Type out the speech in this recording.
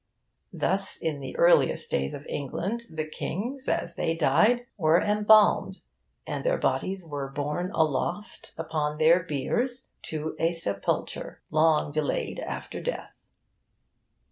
Thus, in the earliest days of England, the kings, as they died, were embalmed, and their bodies were borne aloft upon their biers, to a sepulture long delayed after death.